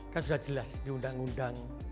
kan sudah jelas di undang undang